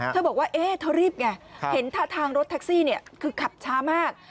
เธอบอกว่าเอ๊ะเธอรีบไงเห็นท่าทางรถแท็กซี่คือขับช้ามาก